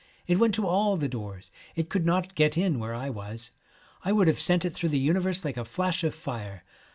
It went to all the doors. It could not get in where I was. I would have sent it through the universe like a flash of fire.